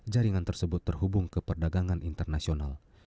jaringan tersebut terhubung ke perdagangan internasional